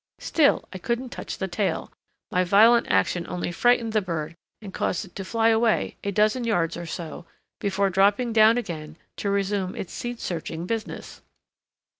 Still I couldn't touch the tail; my violent action only frightened the bird and caused it to fly away, a dozen yards or so, before dropping down again to resume its seed searching business.